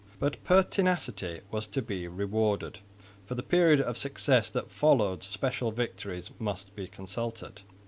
But pertinacity was to be rewarded. For the period of success that followed special histories must be consulted.